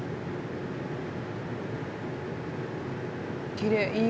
きれい。